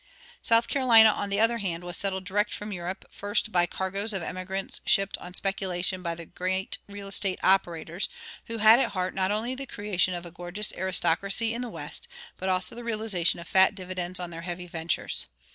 South Carolina, on the other hand, was settled direct from Europe, first by cargoes of emigrants shipped on speculation by the great real estate "operators" who had at heart not only the creation of a gorgeous aristocracy in the West, but also the realization of fat dividends on their heavy ventures.